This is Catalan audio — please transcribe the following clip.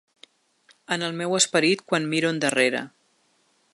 En el meu esperit quan miro endarrere